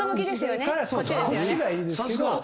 こっちがいいですけど。